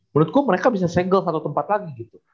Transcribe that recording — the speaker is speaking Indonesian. menurutku mereka bisa segel satu tempat lagi gitu